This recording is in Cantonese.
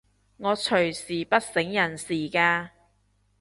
我隨時不省人事㗎